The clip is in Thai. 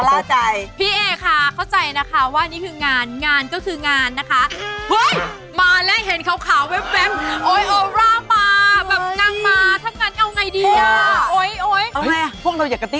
แบบนั่งมาถ้างั้นเอาไงดี